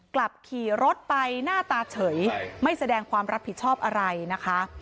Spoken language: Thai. กลับขี่รถไปหน้าตาเฉยไม่แสดงความรับผิดชอบอะไรนะคะ